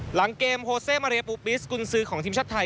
หลังเกมโฮเซมาเรียปูปิสกุลซื้อของทีมชาติไทย